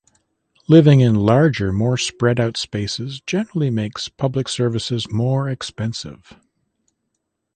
Living in larger, more spread out spaces generally makes public services more expensive.